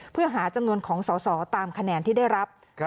เพื่อหาจำนวนของสอสอตามคะแนนที่ได้รับ